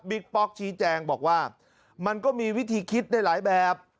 ป๊อกชี้แจงบอกว่ามันก็มีวิธีคิดได้หลายแบบ